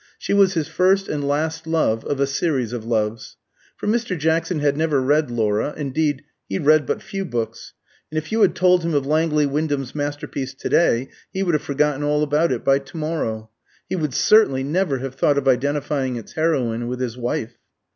She was his first and last love of a series of loves. For Mr. Jackson had never read "Laura"; indeed he read but few books, and if you had told him of Langley Wyndham's masterpiece to day, he would have forgotten all about it by to morrow; he would certainly never have thought of identifying its heroine with his wife.